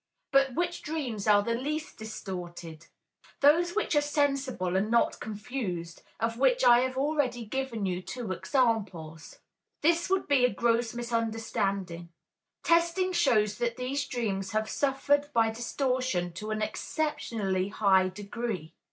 But which dreams are the least distorted? Those which are sensible and not confused, of which I have already given you two examples? This would be a gross misunderstanding. Testing shows that these dreams have suffered by distortion to an exceptionally high degree.